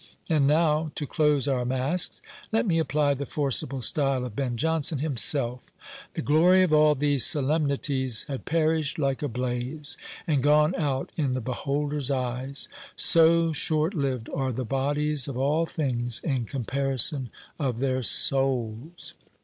And now, to close our Masques, let me apply the forcible style of Ben Jonson himself: "The glory of all these solemnities had perished like a blaze, and gone out in the beholder's eyes; so short lived are the bodies of all things in comparison of their souls!"